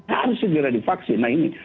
harus segera divaksin nah ini